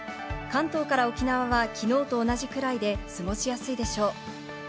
関東から沖縄は昨日と同じくらいで過ごしやすいでしょう。